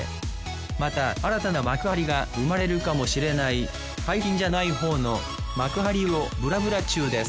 また新たな幕張が生まれるかもしれない海浜じゃないほうの幕張をブラブラ中です